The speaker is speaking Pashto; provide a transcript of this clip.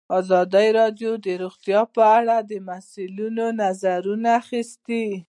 ازادي راډیو د روغتیا په اړه د مسؤلینو نظرونه اخیستي.